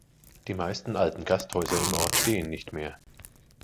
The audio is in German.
Die meisten alten Gasthäuser im Ort stehen nicht mehr.